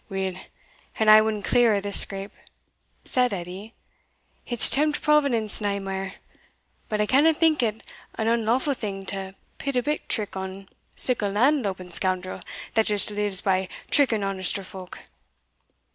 "Weel, an I win clear o' this scrape," said Edie, "I'se tempt Providence nae mair. But I canna think it an unlawfu' thing to pit a bit trick on sic a landlouping scoundrel, that just lives by tricking honester folk."